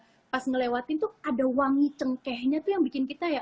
tapi kita kan pas ngelewatin tuh ada wangi cengkehnya tuh yang bikin kita ya